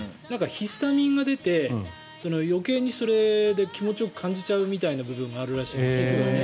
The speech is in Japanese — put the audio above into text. ヒスタミンが出て余計にそれで気持ちよく感じちゃうみたいな部分もあるらしいんですよね。